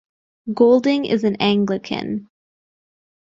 Golding is an Anglican.